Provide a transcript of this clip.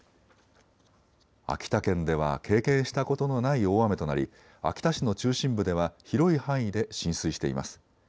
秋田県では経験したことのない大雨となり秋田市の中心部では広い範囲で浸水しています。